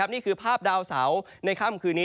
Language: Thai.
นี่คือภาพดาวเสาร์ในค่ำคืนนี้